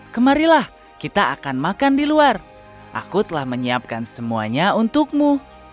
kemarilah kita akan makan di luar aku telah menyiapkan semuanya untukmu